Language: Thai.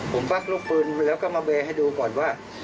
ผมปลั๊กลุกพื้นแล้วก็มาแบร์ให้ดูก่อนว่า